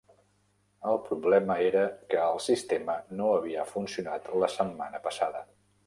El problema era que el sistema no havia funcionat la setmana passada.